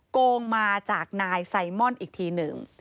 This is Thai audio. โกงมาจากนายไซมอนอีกทีหนึ่ง